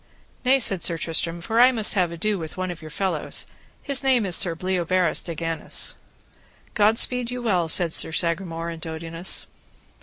Nay, said Sir Tristram, for I must have ado with one of your fellows, his name is Sir Bleoberis de Ganis. God speed you well, said Sir Sagramore and Dodinas.